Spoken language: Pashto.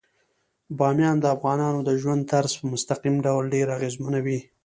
بامیان د افغانانو د ژوند طرز په مستقیم ډول ډیر اغېزمنوي.